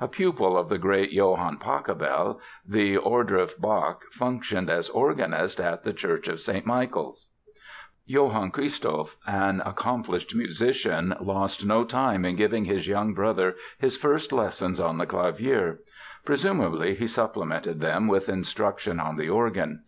A pupil of the great Johann Pachelbel, the Ohrdruf Bach functioned as organist at the Church of St. Michael's. Johann Christoph, an accomplished musician, lost no time in giving his young brother his first lessons on the clavier. Presumably he supplemented them with instruction on the organ.